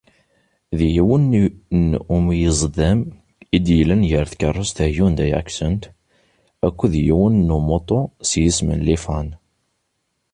D yiwen n umyeẓdam i d-yellan gar tkerrust Hyundai Accent, akked yiwen n umuṭu s yisem n Lifan.